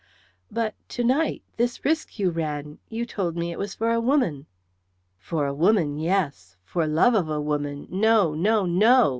"But to night this risk you ran; you told me it was for a woman." "For a woman, yes. For love of a woman, no, no, no!"